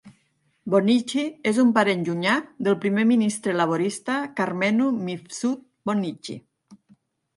Bonnici és un parent llunyà del primer ministre laborista Karmenu Mifsud Bonnici.